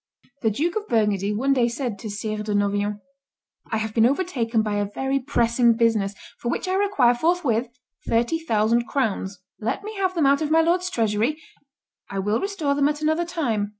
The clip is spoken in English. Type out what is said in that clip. The Duke of Burgundy one day said to Sire de Noviant, "I have been overtaken by a very pressing business, for which I require forthwith thirty thousand crowns; let me have them out of my lord's treasury; I will restore them at another time."